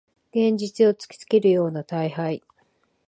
現実を突きつけるような大敗